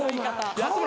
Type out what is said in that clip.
安村